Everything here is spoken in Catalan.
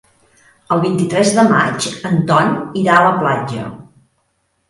El vint-i-tres de maig en Ton irà a la platja.